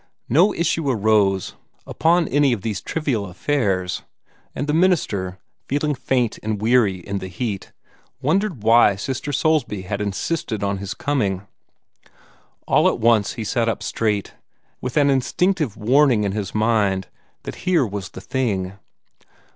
No issue arose upon any of these trivial affairs, and the minister, feeling faint and weary in the heat, wondered why Sister Soulsby had insisted on his coming. All at once he sat up straight, with an instinctive warning in his mind that here was the thing.